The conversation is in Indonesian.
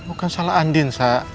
bukan salah andin